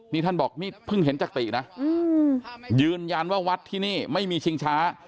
นี่ท่านบอกนี่เพิ่งเห็นจากตินะยืนยันว่าวัดที่นี่ไม่มีชิงช้า